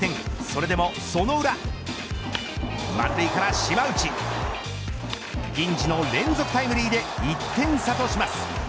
それでもその裏満塁から島内銀次の連続タイムリーで１点差とします。